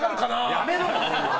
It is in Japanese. やめろよ！